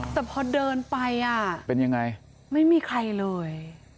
แต่พอเดินไปอ่ะเป็นยังไงไม่มีใครเลย